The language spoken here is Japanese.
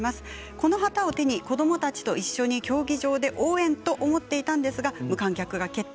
この旗を手に子どもたちと一緒に競技場で応援と思っていたんですが無観客が決定。